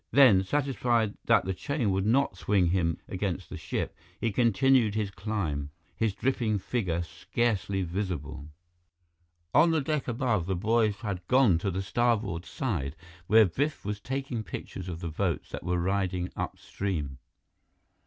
Then, satisfied that the chain would not swing him against the ship, he continued his climb, his dripping figure scarcely visible. On the deck above, the boys had gone to the starboard side, where Biff was taking pictures of the boats that were riding upstream.